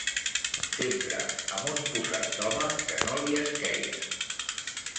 Sempre amb un posat d'home, que no li esqueia